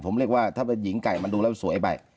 ผมเรียกว่าถ้าเป็นหญิงไก่มันดูแล้วสวยไป